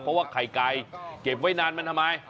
เพราะว่าไข่ไก่เก็บไว้นานมันทำไม